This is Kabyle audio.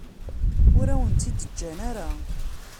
Ur awen-tt-id-ǧǧan ara.